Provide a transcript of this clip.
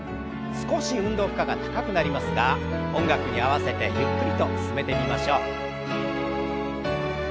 少し運動負荷が高くなりますが音楽に合わせてゆっくりと進めてみましょう。